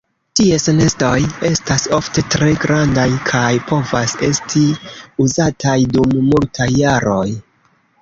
Ties nestoj estas ofte tre grandaj kaj povas esti uzataj dum multaj jaroj.